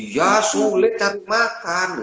ya sulit cari makan